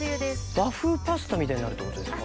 和風パスタみたいになるってことですか？